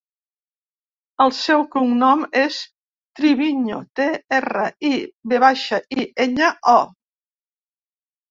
El seu cognom és Triviño: te, erra, i, ve baixa, i, enya, o.